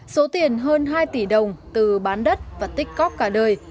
số tiền hơn hai tỷ đồng từ bán đất và tích cóc cả đời